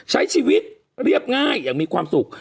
ใช้ชีวิตเรียบง่ายอย่างมีความสุข